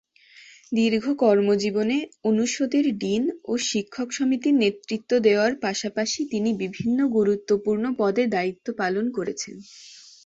দীর্ঘ কর্মজীবনে অনুষদের ডিন ও শিক্ষক সমিতির নেতৃত্ব দেওয়ার পাশাপাশি তিনি বিভিন্ন গুরুত্বপূর্ণ পদে দায়িত্ব পালন করেছেন।